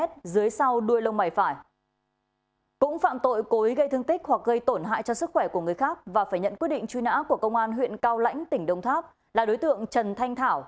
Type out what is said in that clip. truy nã của công an huyện cao lãnh tỉnh đông tháp là đối tượng trần thanh thảo